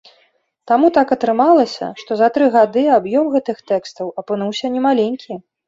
Таму так атрымалася, што за тры гады аб'ём гэтых тэкстаў апынуўся не маленькі.